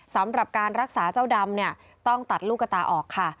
สำหรับการรักษาเจ้าดำเนี่ยต้องตัดลูกกระตาออกค่ะ